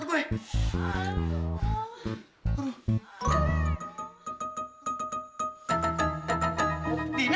lo ngapain sih disini